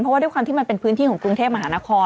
เพราะว่าด้วยความที่มันเป็นพื้นที่ของกรุงเทพมหานคร